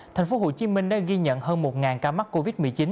thành phố hồ chí minh đã ghi nhận hơn một ca mắc covid một mươi chín